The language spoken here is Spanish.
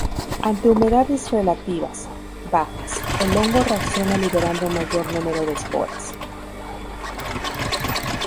Ante humedades relativas bajas, el hongo reacciona liberando un mayor número de esporas.